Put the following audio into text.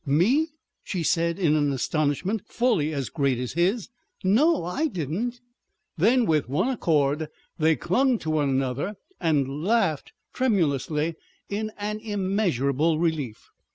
"Me?" she said in an astonishment fully as great as his. "No, I didn't." Then with one accord they clung to one another and laughed tremulously in an immeasurable relief.